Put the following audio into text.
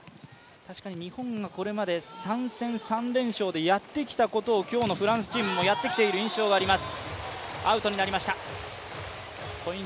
確かに日本のこれまで３戦３連勝でやってきたことを今日のフランスチームもやってきている印象があります。